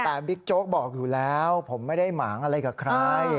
แต่บิ๊กโจ๊กบอกอยู่แล้วผมไม่ได้หมางอะไรกับใคร